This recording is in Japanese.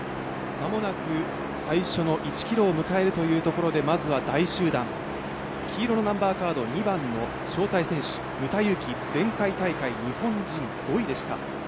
まもなく最初の１ｋｍを迎えるというところでまずは大集団、黄色のナンバーカード２番、招待選手、牟田祐樹、前回大会、日本人５位でした。